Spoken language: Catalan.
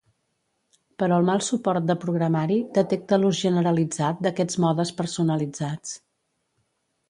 Però el mal suport de programari detecta l’ús generalitzat d’aquests modes personalitzats.